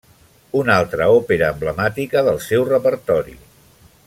Una altra òpera emblemàtica del seu repertori.